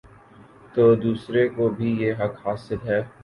تو دوسرے کو بھی یہ حق حاصل ہے۔